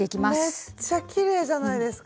めっちゃきれいじゃないですか？